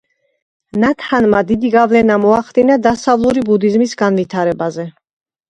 ნათ ჰანმა დიდი გავლენა მოახდინა დასავლური ბუდიზმის განვითარებაზე.